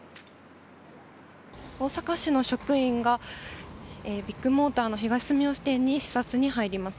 大阪市の職員がビッグモーターの東住吉店に視察に入ります。